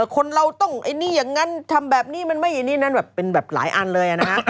คนเราต้องไอ้นี่อย่างนั้นทำแบบนี้มันไม่อย่างนี้นั้นแบบเป็นแบบหลายอันเลยนะฮะ